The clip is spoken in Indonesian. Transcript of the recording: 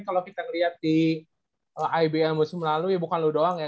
kalau kita lihat di ibm musim lalu ya bukan lu doang ya